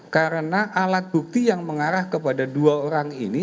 karena alat bukti yang mengarah kepada dua orang ini